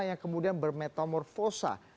yang kemudian bermetamorfosa